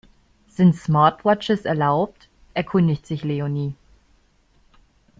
Sind Smartwatches erlaubt, erkundigt sich Leonie.